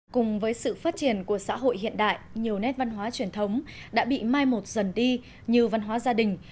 cùng với sự phát triển của xã hội hiện đại nhiều nét văn hóa truyền thống đã bị mai một dần đi như văn hóa gia đình